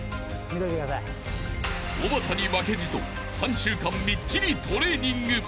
［おばたに負けじと３週間みっちりトレーニング］